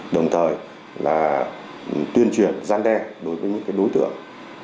đồng thời là tuyên truyền gian đe đối với những đối tượng